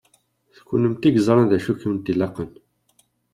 D kennemti i yeẓṛan d acu i kent-ilaqen.